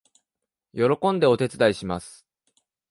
喜んでお手伝いします